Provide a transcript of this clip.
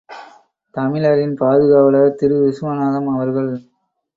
தமிழரின் பாதுகாவலர் திரு விசுவநாதம் அவர்கள்.